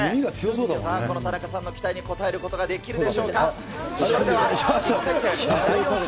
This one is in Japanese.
さあ、その田中さんの期待に応えることができるでしょうか。